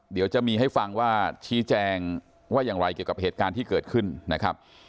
เดี๋ยวจะมีให้ฟังว่าชี้แจงว่าอย่างไรเกี่ยวกับเหตุการณ์ที่เกิดขึ้นนะครับ